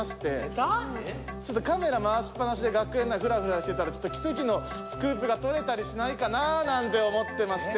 カメラ回しっぱなしで学園内フラフラしてたら奇跡のスクープが撮れたりしないかななんて思ってまして。